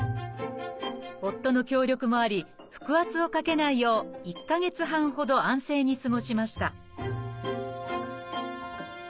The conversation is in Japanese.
夫の協力もあり腹圧をかけないよう１か月半ほど安静に過ごしました